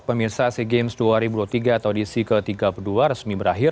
pemirsa sea games dua ribu dua puluh tiga atau dc ke tiga puluh dua resmi berakhir